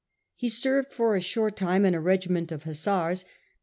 He served for a short time in a regiment of Hussars.